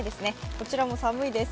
こちらも寒いです。